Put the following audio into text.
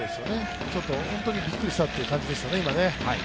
本当にびっくりしたという感じでしたね、今。